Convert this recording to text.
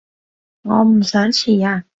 我唔想遲啊